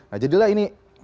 nah jadilah ini